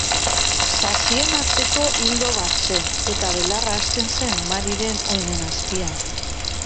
Sasien arteko ildo bat zen, eta belarra hazten zen Maryren oinen azpian.